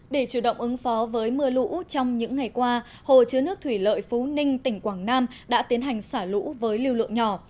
để chủ động ứng phó với mưa lũ trong những ngày qua hồ chứa nước thủy lợi phú ninh tỉnh quảng nam đã tiến hành xả lũ với lưu lượng nhỏ